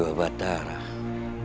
bagaimana kehidupan rumahmu